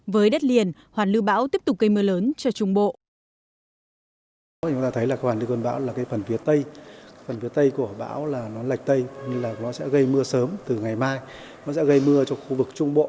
với đất liền hoàn lưu bão tiếp tục gây mưa lớn cho trung bộ